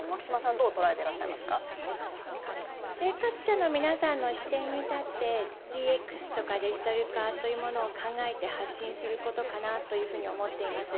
生活者の皆さんの視点に立って、ＤＸとかデジタル化というものを考えて発信することかなと考えています。